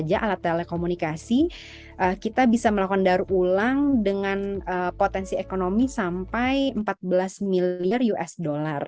alat telekomunikasi kita bisa melakukan daur ulang dengan potensi ekonomi sampai empat belas miliar usd